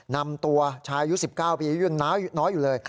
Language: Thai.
นำตัวชายุ๑๙ปียุ่นน้อยอยู่เลย